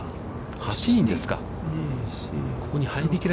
８人ですね。